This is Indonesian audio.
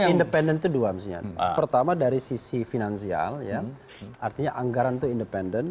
independen itu dua misalnya pertama dari sisi finansial ya artinya anggaran itu independen